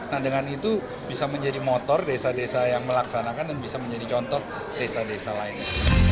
nah dengan itu bisa menjadi motor desa desa yang melaksanakan dan bisa menjadi contoh desa desa lain